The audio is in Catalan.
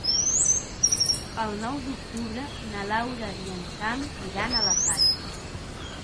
El nou d'octubre na Laura i en Sam iran a la platja.